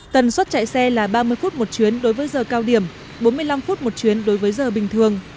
tần suất chạy xe là ba mươi phút một chuyến đối với giờ cao điểm bốn mươi năm phút một chuyến đối với giờ bình thường